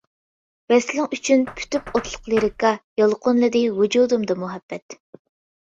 ۋەسلىڭ ئۈچۈن پۈتۈپ ئوتلۇق لىرىكا، يالقۇنلىدى ۋۇجۇدۇمدا مۇھەببەت.